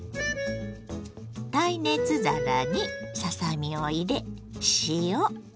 耐熱皿にささ身を入れ塩